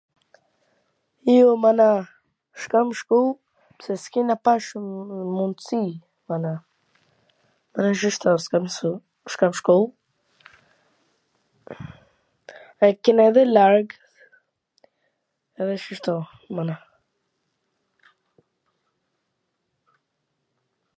Jo. mana, s kam shku, pse s kena pas shum mundsi, mana, edhe shishto, s kam shku, asht edhe larg, shishto, mana.